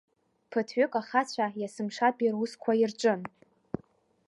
Ԥыҭҩык ахацәа иасымшатәи русқәа ирҿын.